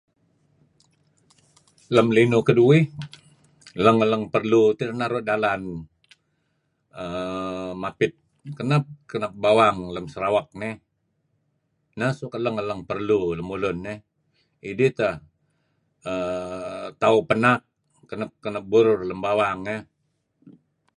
Lem linuh keduih lang-lang perlu tidah naru' dalan err mapit kenep-kenep bawang lem Sarawak nih. Neh suk elang-elang perlu lemulun eh. Idih teh err tauh penak kenep burur lem bawang eh.